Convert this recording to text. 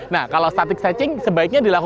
nah kalau static setching sebaiknya dilakukan